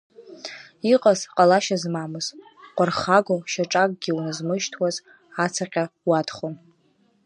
Иҟаз, ҟалашьа змамыз, уархаго, шьаҿакгьы уназмышьҭуаз ацаҟьа уадхон.